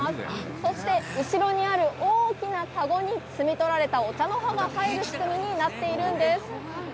そして、後ろにある大きな籠に摘み取られたお茶の葉が入る仕組みになっているんです。